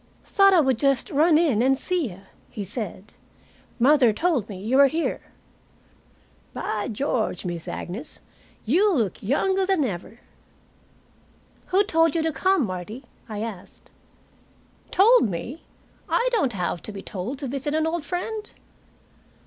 "Thought I would just run in and see you," he said. "Mother told me you were here. By George, Miss Agnes, you look younger than ever." "Who told you to come, Martie?" I asked. "Told me? I don't have to be told to visit an old friend."